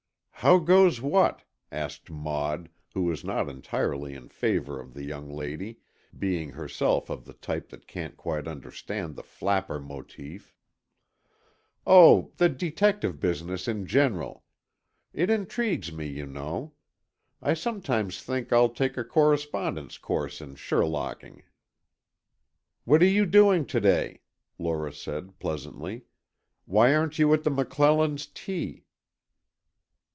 "How goes what?" asked Maud, who was not entirely in favour of the young lady, being herself of the type that can't quite understand the flapper motif. "Oh, the detective business in general. It intrigues me, you know. I sometimes think I'll take a correspondence course in Sherlocking." "What are you doing to day?" Lora said, pleasantly. "Why aren't you at the McClellan's tea?"